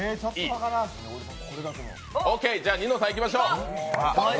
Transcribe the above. オッケー、じゃあニノさん、いきましょう。